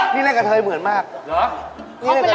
ต้องพูดเหมือนกันนะ